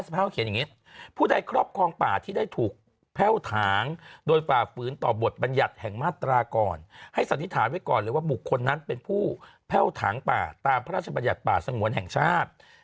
เป็นผู้แพ่วถังป่าตามพระราชบัญญัติป่าสงวนแห่งชาติ